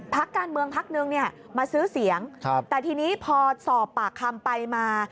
พักการเมืองพักนึงเนี่ยมาซื้อเสียงแต่ทีนี้พอสอบปากคำไปมา